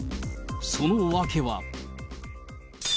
その訳は。